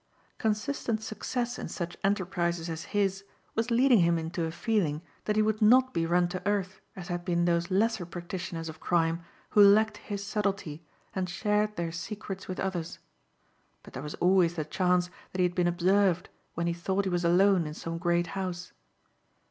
Consistent success in such enterprises as his was leading him into a feeling that he would not be run to earth as had been those lesser practitioners of crime who lacked his subtlety and shared their secrets with others. But there was always the chance that he had been observed when he thought he was alone in some great house.